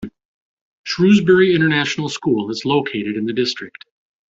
Shrewsbury International School is located in the district.